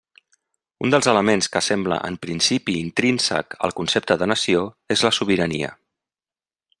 Un dels elements que sembla en principi intrínsec al concepte de nació és la sobirania.